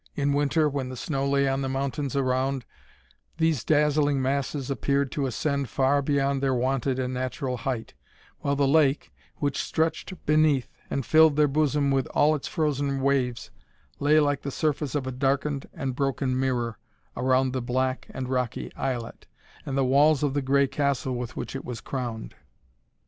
In winter, when the snow lay on the mountains around, these dazzling masses appeared to ascend far beyond their wonted and natural height, while the lake, which stretched beneath, and filled their bosom with all its frozen waves, lay like the surface of a darkened and broken mirror around the black and rocky islet, and the walls of the gray castle with which it was crowned.